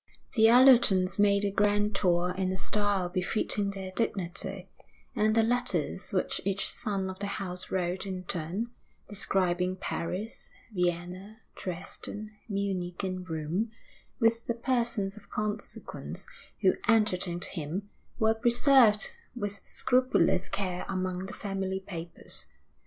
The Allertons made the grand tour in a style befitting their dignity; and the letters which each son of the house wrote in turn, describing Paris, Vienna, Dresden, Munich, and Rome, with the persons of consequence who entertained him, were preserved with scrupulous care among the family papers.